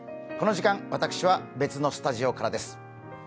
この時間、私は別のスタジオからです。